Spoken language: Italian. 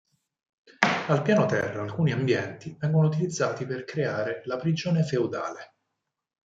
Al piano terra alcuni ambienti vengono utilizzati per creare la prigione feudale.